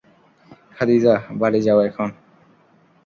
খাদিজাহ, বাড়ি যাও এখন।